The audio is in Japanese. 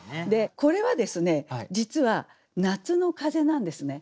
これはですね実は夏の風なんですね。